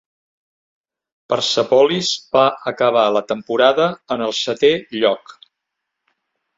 Persepolis va acabar la temporada en el setè lloc.